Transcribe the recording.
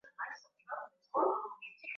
Ushirikiano wa nchi mbili ni wa lazima